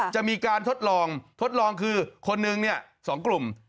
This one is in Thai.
จะมีการทดลองทดลองคือคนนึงเนี่ย๒กลุ่ม